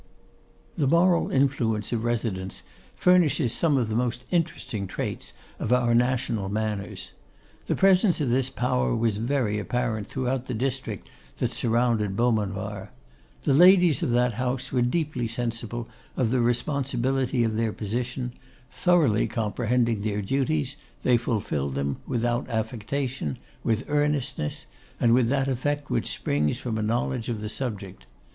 The moral influence of residence furnishes some of the most interesting traits of our national manners. The presence of this power was very apparent throughout the district that surrounded Beaumanoir. The ladies of that house were deeply sensible of the responsibility of their position; thoroughly comprehending their duties, they fulfilled them without affectation, with earnestness, and with that effect which springs from a knowledge of the subject.